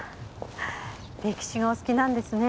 歴史がお好きなんですね。